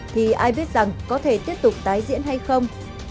thì ai biết rằng có thể tiếp tục tái diễn hay không